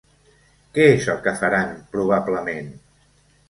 Què és el que faran probablement?